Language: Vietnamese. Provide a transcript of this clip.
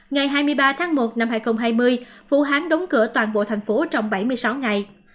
ngày hai mươi ba tháng một năm hai nghìn hai mươi vũ hán đóng cửa toàn bộ thành phố trong bảy mươi sáu ngày